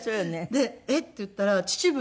で「えっ？」って言ったら秩父で。